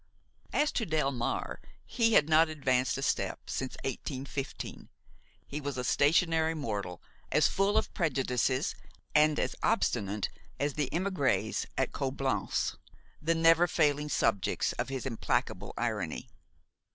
As to Delmare, he had not advanced a step since 1815. He was a stationary mortal, as full of prejudices and as obstinate as the émigrés at Coblentz, the never failing subjects of his implacable irony.